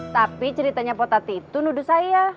tapi ceritanya potati itu nuduh saya